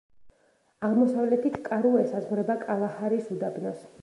აღმოსავლეთით კარუ ესაზღვრება კალაჰარის უდაბნოს.